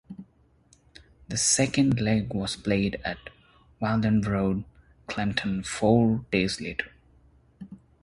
The second leg was played at Whaddon Road in Cheltenham four days later.